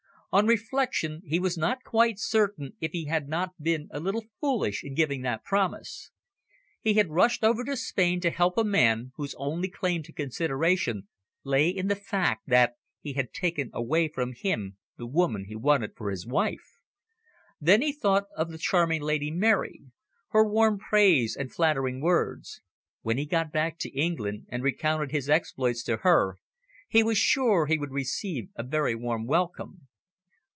On reflection, he was not quite certain if he had not been a little foolish in giving that promise. He had rushed over to Spain to help a man whose only claim to consideration lay in the fact that he had taken away from him the woman he wanted for his wife. Then he thought of the charming Lady Mary, her warm praise and flattering words. When he got back to England and recounted his exploits to her, he was sure he would receive a very warm welcome.